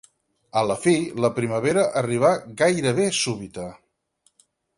A la fi, la primavera arribà gairebé súbita.